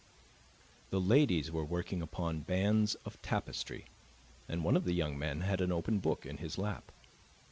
The ladies were working upon bands of tapestry, and one of the young men had an open book in his lap.